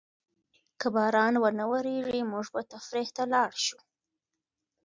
که باران ونه وریږي، موږ به تفریح ته لاړ شو.